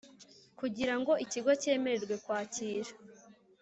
Kugira ngo ikigo cyemererwe kwakira